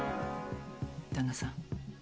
旦那さん